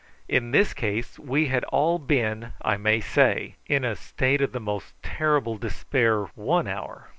In this case we had all been, I may say, in a state of the most terrible despair one hour.